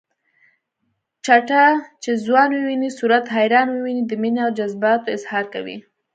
چټه چې ځوان وويني صورت حیران وويني د مینې او جذباتو اظهار کوي